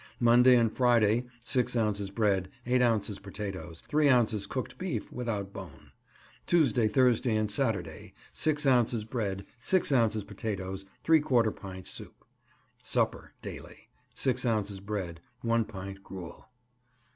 Monday and Friday 6 ounces bread, 8 ounces potatoes, 3 ounces cooked beef (without bone). Tuesday, Thursday and Saturday 6 ounces bread, 6 ounces potatoes, ¾ pint soup. Supper Daily 6 ounces bread, 1 pint gruel.